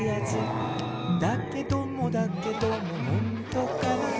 「だけどもだけどもほんとかな」